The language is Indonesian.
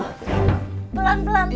pelan pelan pelan pelan